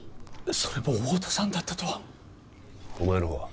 それも太田さんだったとはお前の方は？